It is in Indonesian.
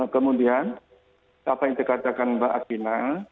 kemudian apa yang dikatakan mbak akina